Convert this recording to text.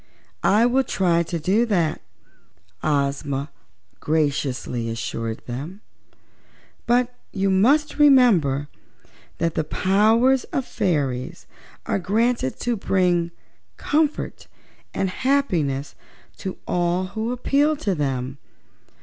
"I will try to do that," Ozma graciously assured them, "but you must remember that the powers of fairies are granted them to bring comfort and happiness to all who appeal to them.